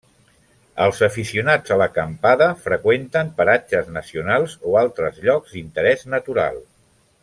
Els aficionats a l'acampada freqüenten paratges nacionals o altres llocs d'interés natural.